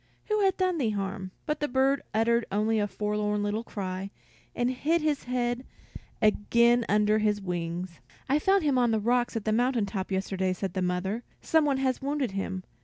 Who hath done thee harm?" But the bird uttered only a forlorn little cry, and hid his head again under his wings. "I found him on the rocks at the mountaintop yesterday," said the mother. "Someone has wounded him.